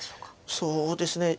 そうですね